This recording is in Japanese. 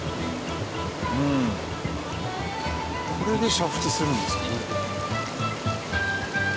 これで煮沸するんですかね？